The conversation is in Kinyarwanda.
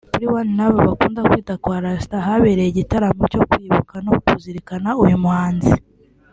Kuri one love bakunda kwita kwa Rasta habereye igitaramo cyo kwibuka no kuzirikana uyu muhanzi